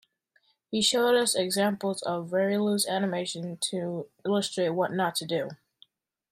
He showed us examples of very loose animation to illustrate what not to do.